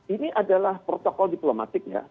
ini adalah protokol diplomatik ya